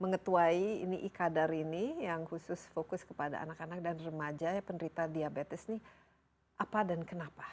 mengetuai ini ikadar ini yang khusus fokus kepada anak anak dan remaja ya penderita diabetes ini apa dan kenapa